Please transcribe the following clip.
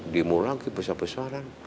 dimulai lagi besar besaran